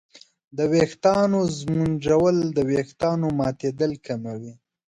د ویښتانو ږمنځول د ویښتانو ماتېدل کموي.